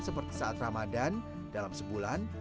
seperti saat ramadhan dalam sebulan